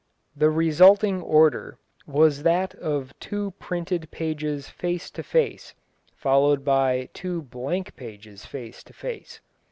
The resulting order was that of two printed pages face to face, followed by two blank pages face to face.